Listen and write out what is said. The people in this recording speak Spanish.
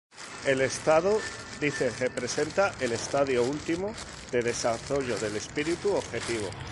El Estado, dice, representa el estadio último de desarrollo del Espíritu objetivo.